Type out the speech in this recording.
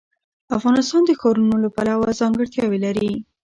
افغانستان د ښارونو له پلوه ځانګړتیاوې لري.